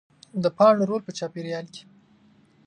د پاڼو رول په چاپېریال کې